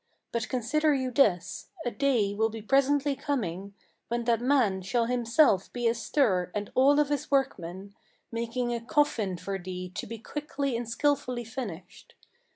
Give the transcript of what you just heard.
But consider you this, a day will be presently coming When that man shall himself be astir and all of his workmen, Making a coffin for thee to be quickly and skilfully finished.